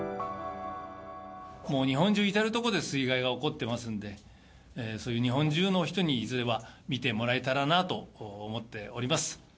もう、日本中至る所で水害が起こってますんで、そういう日本中の人に、いずれは見てもらえたらなと思っております。